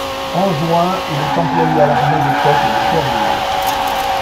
En juin, il est employé à l'armée des côtes de Cherbourg.